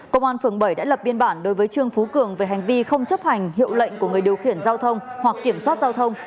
công an phường bảy đã lập biên bản đối với trương phú cường về hành vi không chấp hành hiệu lệnh của người điều khiển giao thông hoặc kiểm soát giao thông